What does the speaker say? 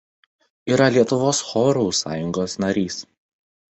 Yra Lietuvos chorų sąjungos narys.